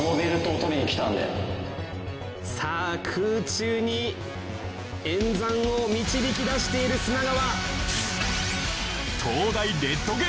さあ空中に演算を導き出している砂川。